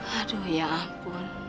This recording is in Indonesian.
aduh ya ampun